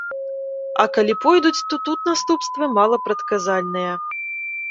А калі пойдуць, то тут наступствы малапрадказальныя.